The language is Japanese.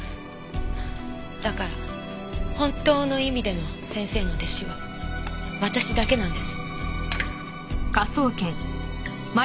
だから本当の意味での先生の弟子は私だけなんです。